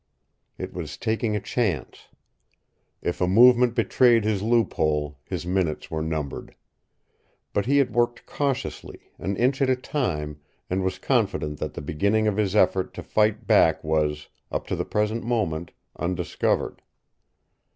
It was taking a chance. If a movement betrayed his loophole, his minutes were numbered. But he had worked cautiously, an inch at a time, and was confident that the beginning of his effort to fight back was, up to the present moment, undiscovered.